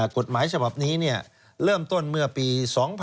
กฎหมายฉบับนี้เริ่มต้นตั้งแต่ปี๒๕๕๑